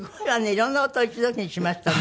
いろんな音一時にしましたね。